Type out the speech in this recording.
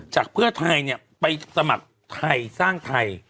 เพื่อไทยเนี่ยไปสมัครไทยสร้างไทย